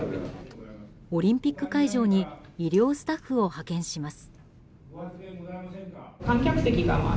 オリンピック会場に医療スタッフを派遣します。